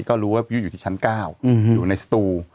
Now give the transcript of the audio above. ก็รู้ว่าพี่ยุทธ์อยู่ที่ชั้น๙อยู่ในสตู